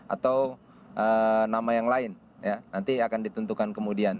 atau nama yang lain ya nanti akan ditentukan kemudian